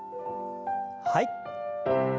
はい。